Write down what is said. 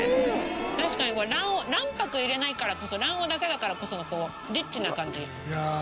確かにこれ卵黄卵白入れないからこそ卵黄だけだからこそのリッチな感じ。